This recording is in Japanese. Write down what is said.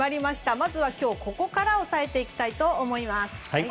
まずは今日ここから押さえていきたいと思います。